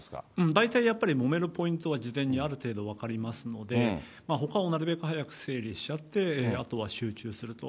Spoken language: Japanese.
大体やっぱりもめるポイントは事前にある程度分かりますので、ほかをなるべく早く整理しちゃって、あとは集中すると。